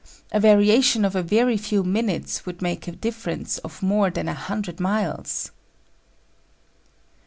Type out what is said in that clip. A variation of a very few minutes would make a difference of more than a hundred miles.